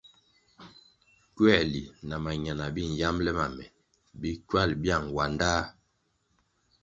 Kuerli na mañana bi nyambele ma me bi ckywal biang wandá.